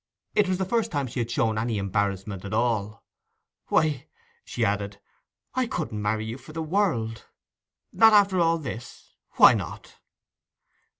It was the first time she had shown any embarrassment at all. 'Why,' she added, 'I couldn't marry you for the world.' 'Not after all this! Why not?